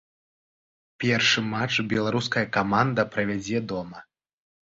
Першы матч беларуская каманда правядзе дома.